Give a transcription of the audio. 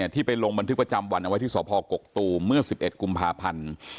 ที่ไปลงบันทึกประจำวันเอาไว้ที่สพกกตูมเมื่อ๑๑กุมภาพันธ์